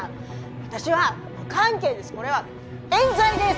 私は無関係です！これはえん罪です！